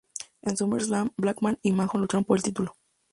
En SummerSlam, Blackman y McMahon lucharon por el título.